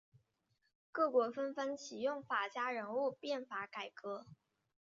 各国纷纷启用法家人物变法改革。